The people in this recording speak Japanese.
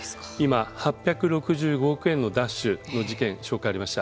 今、８６５億円の奪取の事件紹介がありました。